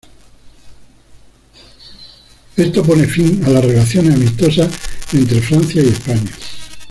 Esto pone fin a las relaciones amistosas entre Francia y España.